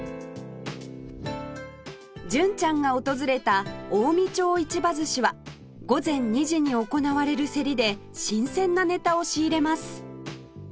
純ちゃんが訪れた近江町市場寿しは午前２時に行われる競りで新鮮なネタを仕入れます